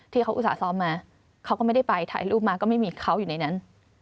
อุตส่าหซ้อมมาเขาก็ไม่ได้ไปถ่ายรูปมาก็ไม่มีเขาอยู่ในนั้น